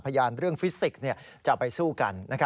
พญานเรื่องฟิสิกจะไปสู้กัน